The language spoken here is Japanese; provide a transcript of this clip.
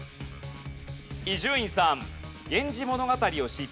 伊集院さん。